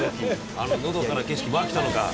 あののどかな景色も飽きたのか？